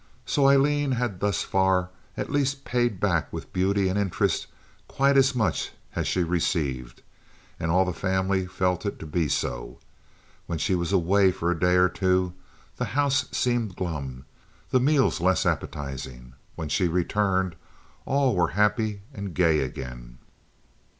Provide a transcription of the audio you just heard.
So Aileen had thus far at least paid back with beauty and interest quite as much as she received, and all the family felt it to be so. When she was away for a day or two the house seemed glum—the meals less appetizing. When she returned, all were happy and gay again.